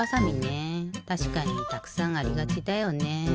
たしかにたくさんありがちだよね。